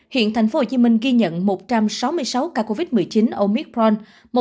hiện tp hcm ghi nhận một trăm sáu mươi sáu ca covid một mươi chín omicron